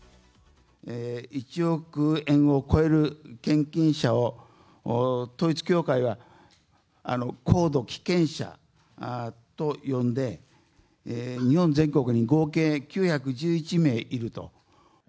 １億円を超える献金者を統一教会は高度危険者と呼んで、日本全国に合計９１１名いると。